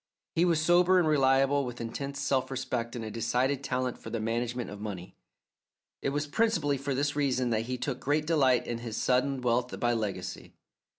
He was sober and reliable, with intense self respect and a decided talent for the management of money. It was principally for this reason that he took great delight in his sudden wealth by legacy.